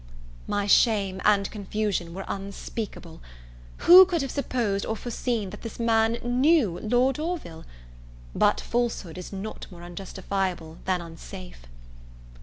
My shame and confusion were unspeakable. Who could have supposed or foreseen that this man knew Lord Orville? But falsehood is not more unjustifiable than unsafe.